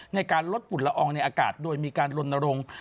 ในการลดฝุ่นละอองในอากาศโดยมีการลนรงค์